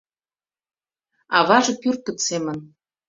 А аваже пӱркыт семын